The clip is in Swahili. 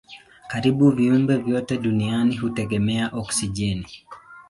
Karibu viumbe vyote duniani hutegemea oksijeni.